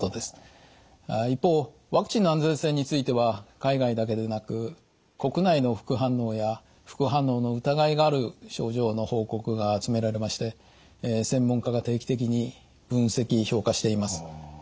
一方ワクチンの安全性については海外だけでなく国内の副反応や副反応の疑いがある症状の報告が集められまして専門家が定期的に分析・評価しています。